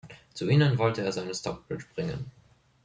Zu ihnen wollte er seine Stockbridge bringen.